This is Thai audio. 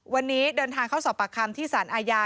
วันนี้เดินทางเข้าสอบปากคำที่สารอาญา